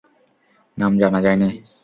নাম জানা যায়নি।